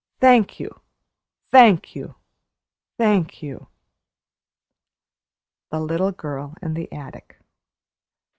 Thank you thank you thank you! "THE LITTLE GIRL IN THE ATTIC."